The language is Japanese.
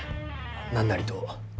何なりと。